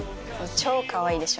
超かわいいでしょ？